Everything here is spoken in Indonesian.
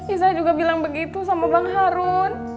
isa juga bilang begitu sama bang harun